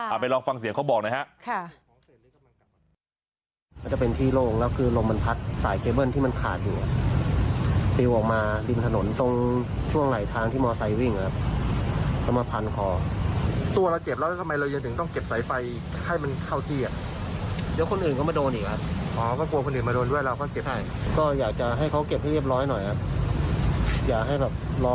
ไปลองฟังเสียงเขาบอกหน่อยฮะ